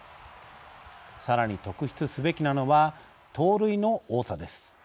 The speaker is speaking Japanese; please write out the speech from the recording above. さらに特筆すべきなのは盗塁の多さです。